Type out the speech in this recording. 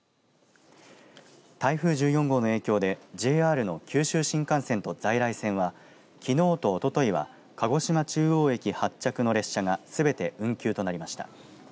台風１４号の影響でＪＲの九州新幹線と在来線はきのうとおとといは鹿児島中央駅発着の列車がすべて運休となりました。